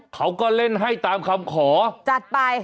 เขาก็เล่นให้ตามคำขอจัดไป